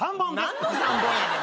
何の３本やねん。